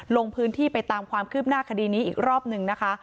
ลงพื้นที่ไปตามความคืบหน้าคดีนี้อีกรอบหนึ่งนะคะ